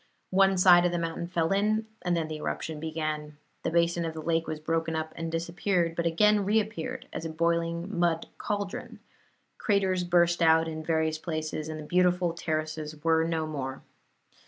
One side of the mountain fell in, and then the eruption began. The basin of the lake was broken up and disappeared, but again reappeared as a boiling mud cauldron; craters burst out in various places, and the beautiful terraces were no more.